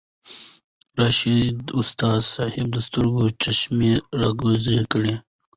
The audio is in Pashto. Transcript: ارشد استاذ صېب د سترګو چشمې راکوزې کړې